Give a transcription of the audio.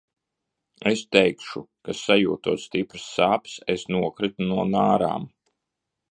Es teikšu, ka sajūtot stipras sāpes, es nokritu no nārām.